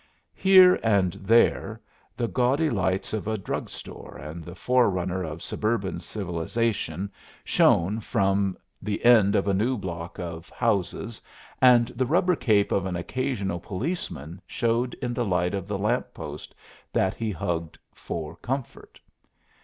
Here and there the gaudy lights of a drug store, and the forerunner of suburban civilization, shone from the end of a new block of houses, and the rubber cape of an occasional policeman showed in the light of the lamp post that he hugged for comfort.